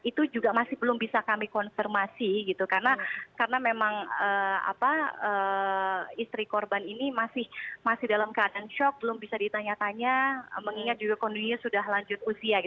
itu juga masih belum bisa kami konfirmasi karena memang istri korban ini masih dalam keadaan shock belum bisa ditanya tanya mengingat juga kondisinya sudah lanjut usia